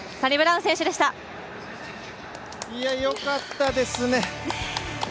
いや、よかったですね。